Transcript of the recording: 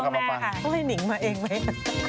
ช่วงแม่ค่ะต้องเล่นนิงมาเองไหม